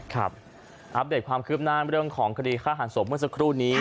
อัปเดตความคืบหน้าเรื่องของคดีฆ่าหันศพเมื่อสักครู่นี้